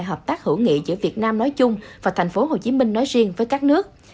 hợp tác hữu nghị giữa việt nam nói chung và thành phố hồ chí minh nói riêng với các nước